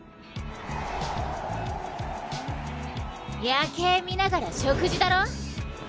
夜景見ながら食事だろ？